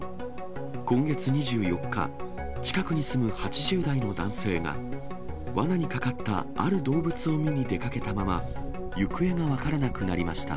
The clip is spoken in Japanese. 今月２４日、近くに住む８０代の男性が、わなにかかったある動物を見に出かけたまま、行方が分からなくなりました。